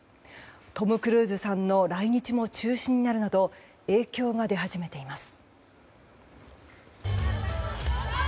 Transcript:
トム・クルーズさんの来日も中止になるなど影響が出始めています。